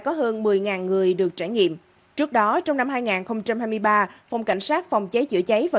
có hơn một mươi người được trải nghiệm trước đó trong năm hai nghìn hai mươi ba phòng cảnh sát phòng cháy chữa cháy và